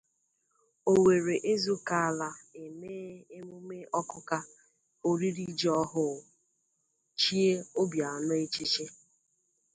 Owerre -Ezukala Emee Emume Ọkụka-Oriri Ji Ọhụụ, Chie Obianọ Echichi